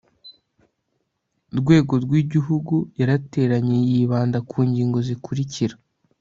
rwego rw igihugu yarateranye yibanda ku ngingo zikurikira